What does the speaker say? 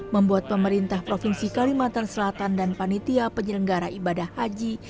membuat pemerintah provinsi kalimantan selatan dan panitia penyelenggara ibadah haji